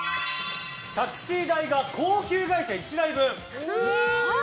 タクシー代が高級外車１台分！